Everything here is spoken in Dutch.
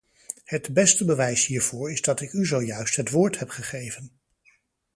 Het beste bewijs hiervoor is dat ik u zojuist het woord heb gegeven.